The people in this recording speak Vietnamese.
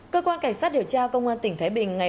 cơ quan cảnh sát điều tra công an tỉnh thái bình ngày